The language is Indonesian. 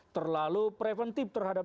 terlalu preventif terhadap